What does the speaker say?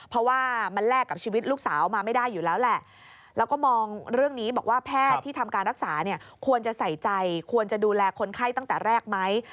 เพราะว่ามันแลกกับชีวิตลูกสาวมาไม่ได้อยู่แล้วแหละแล้วก็มองเรื่องนี้บอกว่าแพทย์ที่ทำการรักษาเนี่ยควรจะใส่ใจควรจะดูแลคนไข้ตั้งแต่แรกไหม